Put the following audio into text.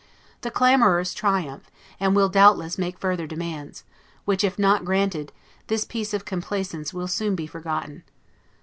The clamorers triumph, and will doubtless make further demands, which, if not granted, this piece of complaisance will soon be forgotten.